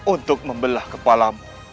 untuk membelah kepalamu